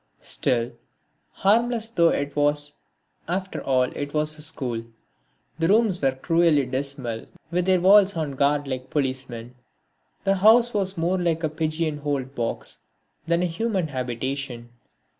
Still, harmless though it was, after all it was a school. The rooms were cruelly dismal with their walls on guard like policemen. The house was more like a pigeon holed box than a human habitation.